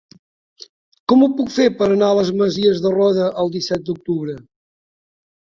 Com ho puc fer per anar a les Masies de Roda el disset d'octubre?